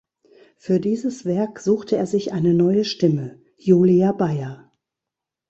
Für dieses Werk suchte er sich eine neue Stimme: Julia Beyer.